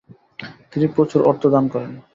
তিনি প্রচুর অর্থ দান করেন।